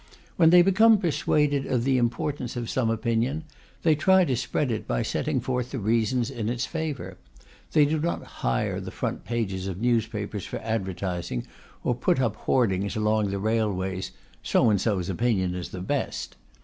When they become persuaded of the importance of some opinion, they try to spread it by setting forth the reasons in its favour; they do not hire the front pages of newspapers for advertising, or put up on hoardings along the railways "So and so's opinion is the best."